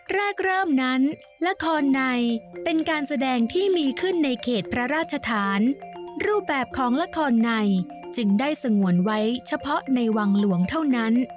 แรกเริ่มนั้นละครในเป็นการแสดงที่มีขึ้นในเขตพระราชฐานรูปแบบของละครในจึงได้สงวนไว้เฉพาะในวังหลวงเท่านั้น